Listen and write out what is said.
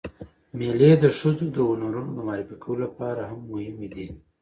مېلې د ښځو د هنرونو د معرفي کولو له پاره هم مهمې دي.